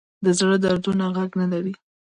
د زړه دردونه غږ نه لري